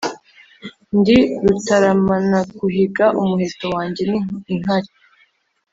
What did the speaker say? Ndi Rutaramanaguhiga Umuheto wanjye ni inkare